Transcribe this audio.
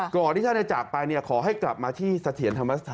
ก่อนที่ท่านจะจากไปขอให้กลับมาที่เสถียรธรรมสถาน